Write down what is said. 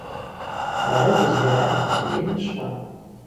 Народу збіраецца вельмі шмат!